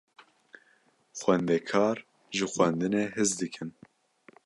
Xwendekar ji xwendinê hez dikin.